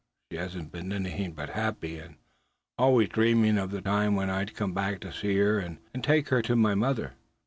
She has been anything but happy; and always dreamin' of the time when I'd come back to see her, and take her to my mother."